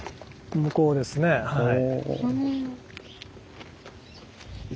向こうですねはい。